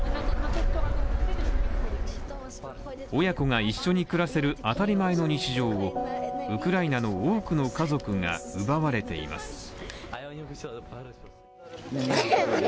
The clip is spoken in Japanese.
親子が一緒に暮らせる当たり前の日常をウクライナの多くの家族が奪われています。